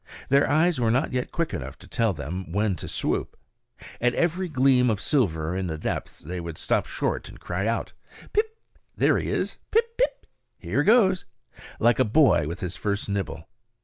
Their eyes were not yet quick enough to tell them when to swoop. At every gleam of silver in the depths below they would stop short and cry out: Pip! "there he is!" Pip, pip! "here goes!" like a boy with his first nibble.